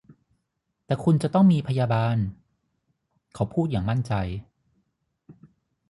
แต่คุณจะต้องมีพยาบาล เขาพูดอย่างมั่นใจ